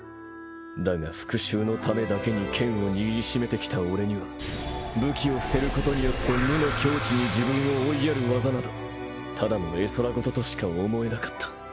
だが復讐のためだけに剣を握り締めてきた俺には武器を捨てることによって無の境地に自分を追いやる技などただの絵空事としか思えなかった。